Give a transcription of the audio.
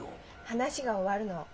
話が終わるのを。